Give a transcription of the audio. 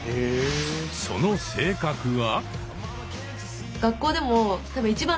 その性格は。